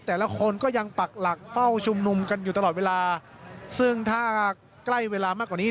แต่ละคนก็ยังปักหลักเฝ้าชุมนุมกันอยู่ตลอดเวลาซึ่งถ้าใกล้เวลามากกว่านี้